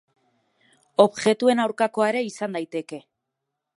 Objektuen aurkakoa ere izan daiteke.